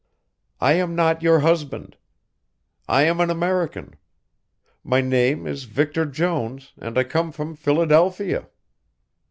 I am not your husband. I am an American. My name is Victor Jones, and I come from Philadelphia."